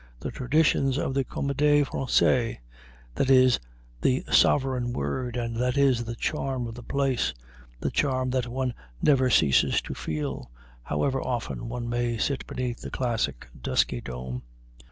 The traditions of the Comédie Française that is the sovereign word, and that is the charm of the place the charm that one never ceases to feel, however often one may sit beneath the classic, dusky dome.